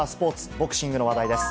ボクシングの話題です。